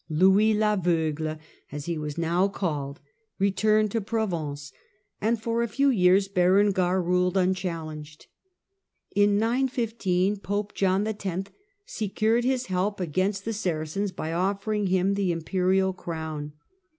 Louis l'Aveugle, as he was now called, returned to Prov ence, and for a few years Berengar ruled unchallenged. In 915 Pope John X. secured his help against the Saracens by offering him the Imperial crown.